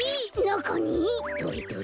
どれどれ。